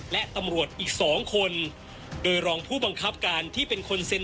และตำรวจอีกสองคนโดยรองผู้บังคับการที่เป็นคนเซ็น